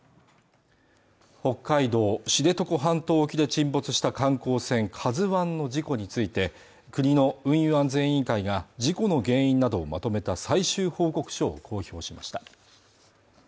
北海道知床半島沖で沈没した観光船「ＫＡＺＵＩ」の事故について国の運輸安全委員会が事故の原因などをまとめた最終報告書を公表しました